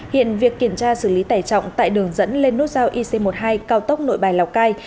hiện việc kiểm tra xử lý tải trọng tại đường dẫn lên nút giao ic một mươi hai cao tốc nội bài lào cai